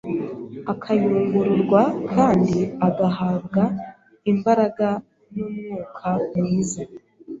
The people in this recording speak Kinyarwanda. akayungururwa kandi agahabwa imbaraga n’umwuka mwiza,